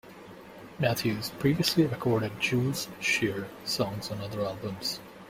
Matthews previously recorded Jules Shear songs on other albums.